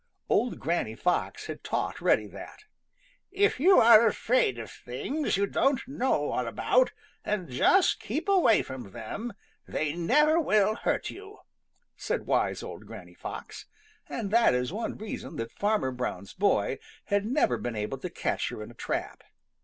Old Granny Fox had taught Reddy that. "If you are afraid of things you don't know all about, and just keep away from them, they never will hurt you," said wise old Granny Fox, and that is one reason that Farmer Brown's boy had never been able to catch her in a trap.